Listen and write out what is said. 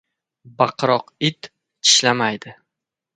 • Baqiroq it tishlamaydi.